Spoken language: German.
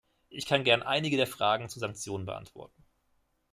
Ich kann gern einige der Fragen zu Sanktionen beantworten.